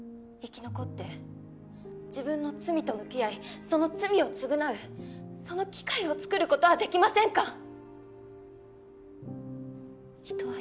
生き残って自分の罪と向き合いその罪を償うその機会を作ることはできませんか？